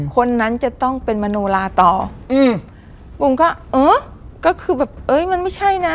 คนนั้นจะต้องเป็นมโนลาต่ออืมบุ๋มก็เออก็คือแบบเอ้ยมันไม่ใช่นะ